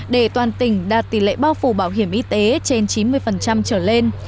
để toàn tỉnh đạt tỷ lệ bao phủ bảo hiểm y tế trên chín mươi trở lên